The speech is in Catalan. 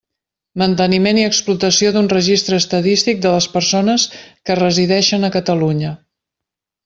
Manteniment i explotació d'un registre estadístic de les persones que resideixen a Catalunya.